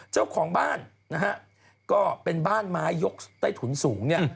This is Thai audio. เจ้าของบ้านนะฮะก็เป็นบ้านไม้ยกใต้ถุนสูงเนี่ย